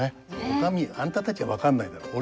「お上あんたたちは分かんないだろう。